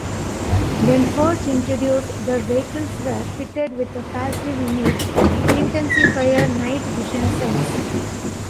When first introduced, the vehicles were fitted with passive Image intensifier night vision sights.